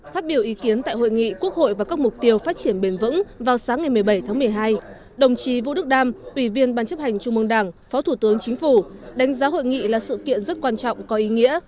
phát biểu ý kiến tại hội nghị quốc hội và các mục tiêu phát triển bền vững vào sáng ngày một mươi bảy tháng một mươi hai đồng chí vũ đức đam ủy viên ban chấp hành trung mương đảng phó thủ tướng chính phủ đánh giá hội nghị là sự kiện rất quan trọng có ý nghĩa